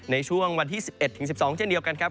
ในช่วงวันที่๑๑๑๒เช่นเดียวกันครับ